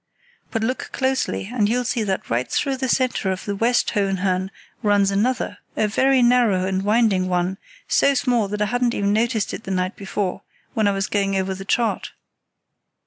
But look closely and you'll see that right through the centre of the West Hohenhörn runs another, a very narrow and winding one, so small that I hadn't even noticed it the night before, when I was going over the chart.